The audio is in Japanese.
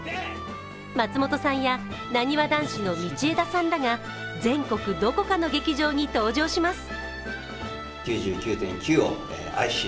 松本さんや、なにわ男子の道枝さんらが全国どこかの劇場に登場します。